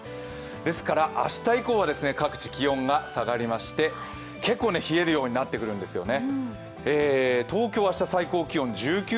ですから明日以降は各地、気温が下がりまして結構、冷えるようになってくるんですよね。